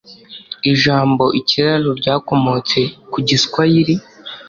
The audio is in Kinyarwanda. ijambo ikiraro ryakomotse ku giswayire